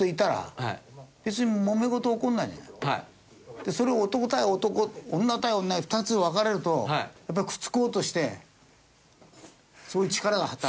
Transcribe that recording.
でそれを男対男女対女に２つに分かれるとやっぱりくっつこうとしてそういう力が働く。